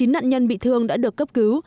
chín nạn nhân bị thương đã được giải quyết